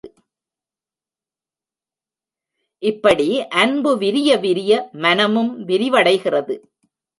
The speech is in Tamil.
இப்படி அன்பு விரிய விரிய, மனமும் விரிவடைகிறது.